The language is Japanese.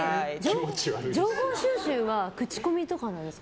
情報収集は口コミとかなんですか？